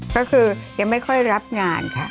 ก็คือยังไม่ค่อยรับงานค่ะ